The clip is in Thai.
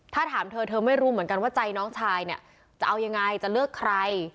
ถ้าถามเธอเธอไม่รู้เหมือนกันว่าใจน้องชายเนี่ยจะเอายังไงจะเลือกใคร